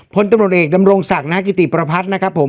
พศดำรงศักดิ์ณกิติประพัทย์นะครับผม